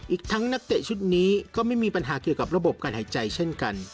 อีกทั้งนักเตะชุดนี้ก็ไม่มีปัญหาเกี่ยวกับระบบการหายใจเช่นกัน